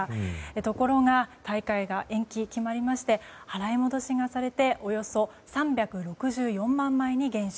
ところが、大会延期が決まりまして払い戻しがされておよそ３６４万枚に減少。